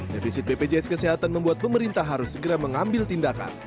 defisit bpjs kesehatan membuat pemerintah harus segera mengambil tindakan